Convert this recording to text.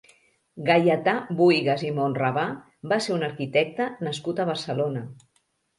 Gaietà Buïgas i Monravà va ser un arquitecte nascut a Barcelona.